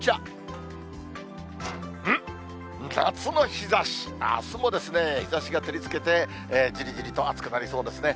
あすも日ざしが照りつけて、じりじりと暑くなりそうですね。